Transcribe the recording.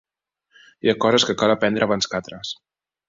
Hi ha coses que cal aprendre abans que d'altres.